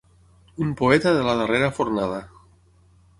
Un poeta de la darrera fornada.